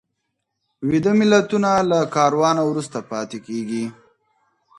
ویده ملتونه له کاروانه وروسته پاته کېږي.